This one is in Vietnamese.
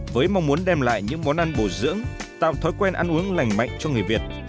với mong muốn đem lại những món ăn bổ dưỡng tạo thói quen ăn uống lành mạnh cho người việt